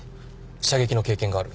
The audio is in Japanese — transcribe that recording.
射撃の経験がある。